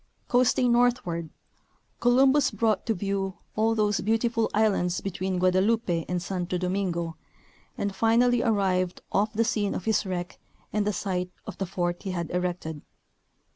Coasting northward, Columbus brought to view all those beautiful islands between Guadeloupe and Santo Domingo and finally arrived off the scene of his wreck and the site of the fort he had erected.